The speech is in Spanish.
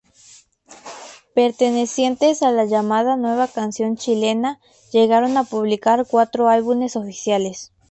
Pertenecientes a la llamada Nueva Canción Chilena, llegaron a publicar cuatro álbumes oficiales.